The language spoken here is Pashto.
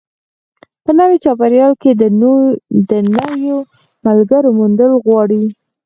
په نوي چاپېریال کې د نویو ملګرو موندل غواړي.